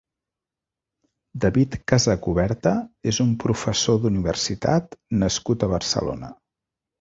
David Casacuberta és un professor d'universitat nascut a Barcelona.